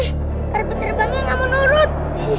harapan terbangnya kamu nurut